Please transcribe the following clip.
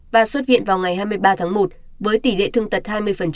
và xuất viện vào ngày hai mươi ba tháng một với tỷ lệ thương tật hai mươi